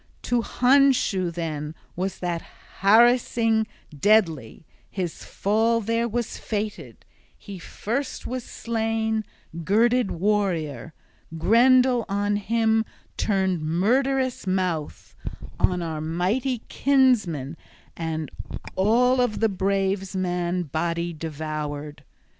To Hondscio then was that harassing deadly, his fall there was fated. He first was slain, girded warrior. Grendel on him turned murderous mouth, on our mighty kinsman, and all of the brave man's body devoured.